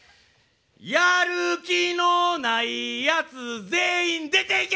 やる気のないやつ全員出ていけ！